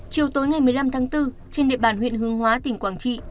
chiều tối ngày một mươi năm tháng bốn trên địa bàn huyện hương hóa tỉnh quảng trị